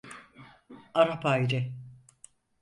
Arap Hayri.